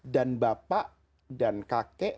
dan bapak dan kakek